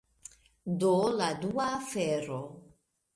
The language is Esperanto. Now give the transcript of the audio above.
Do, la dua afero